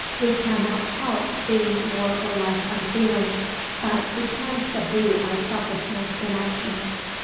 We cannot help being more or less unfeeling, but we can subdue our selfishness in action.